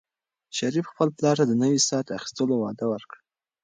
شریف خپل پلار ته د نوي ساعت اخیستلو وعده ورکړه.